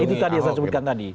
itu tadi yang saya sebutkan tadi